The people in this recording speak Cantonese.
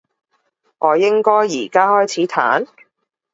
我應該而家開始彈？